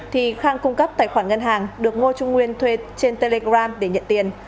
thì khang cung cấp tài khoản ngân hàng được ngô trung nguyên thuê trên telegram để nhận tiền